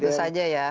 dan itu saja ya